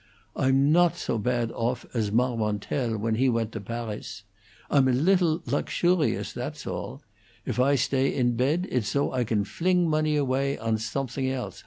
I'm nodt zo padt off as Marmontel when he went to Paris. I'm a lidtle loaxurious, that is all. If I stay in pedt it's zo I can fling money away on somethings else.